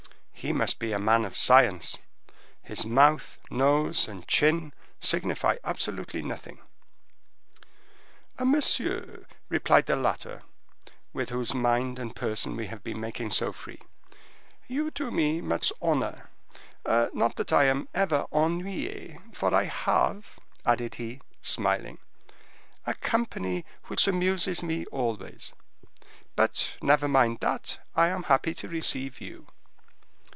He must be a man of science: his mouth, nose, and chin signify absolutely nothing." "Monsieur," replied the latter, with whose mind and person we have been making so free, "you do me much honor; not that I am ever ennuye, for I have," added he, smiling, "a company which amuses me always: but, never mind that, I am happy to receive you."